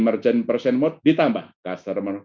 emerging person mode ditambah customer